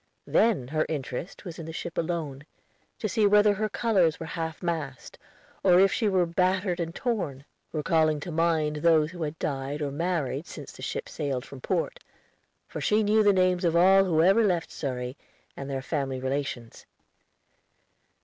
Then her interest was in the ship alone, to see whether her colors were half mast, or if she were battered and torn, recalling to mind those who had died or married since the ship sailed from port; for she knew the names of all who ever left Surrey, and their family relations.